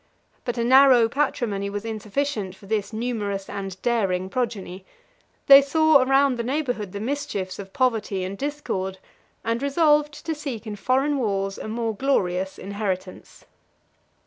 But a narrow patrimony was insufficient for this numerous and daring progeny; they saw around the neighborhood the mischiefs of poverty and discord, and resolved to seek in foreign wars a more glorious inheritance.